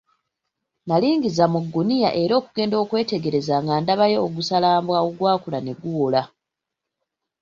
Nalingiza mu gunnya era okugenda okwetegereza nga ndabayo ogusalambwa ogwakula ne guwola.